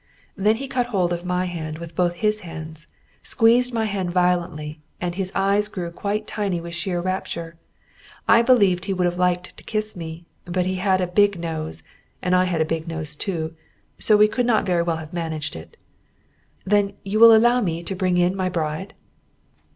Then he caught hold of my hand with both his hands; squeezed my hand violently, and his eyes grew quite tiny with sheer rapture. I believed he would have liked to kiss me; but he had a big nose, and I had a big nose, too, so we could not very well have managed it. "Then will you allow me to bring in my bride?"